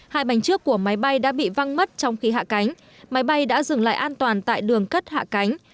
hai bánh trước của máy bay đã bị văng mất trong khi hạ cánh máy bay đã dừng lại an toàn tại đường cất hạ cánh